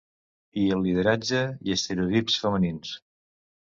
I el lideratge i estereotips femenins.